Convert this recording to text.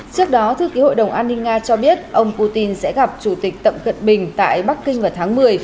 trước đó thư ký hội đồng an ninh nga cho biết ông putin sẽ gặp chủ tịch tập cận bình tại bắc kinh vào tháng một mươi